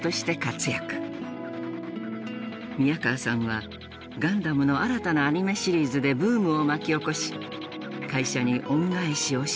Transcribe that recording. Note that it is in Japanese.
宮河さんはガンダムの新たなアニメシリーズでブームを巻き起こし会社に恩返しをしました。